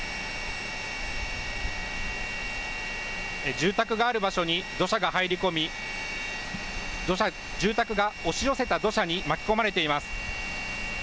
住宅がある場所に土砂が入り込み住宅が押し寄せた土砂に巻き込まれています。